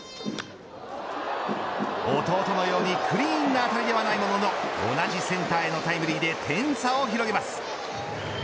弟のようにクリーンな当たりではないものの同じセンターへのタイムリーで点差を広げます。